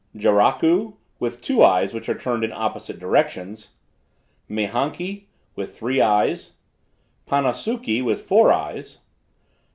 Jaraku, with two eyes, which are turned in opposite directions. Mehanki, with three eyes. Panasuki, with four eyes.